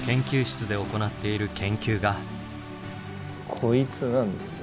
こいつなんですが。